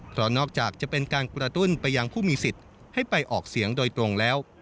เพราะนอกจากจะเป็นการกระตุ้นไปยังผู้มีสิทธิ์ให้ไปออกเสียงโดยตรงแล้ว